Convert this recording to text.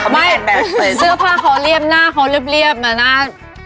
ไม่เสื้อผ้าเขาเรียบหน้าเขาเรียบมาหน้า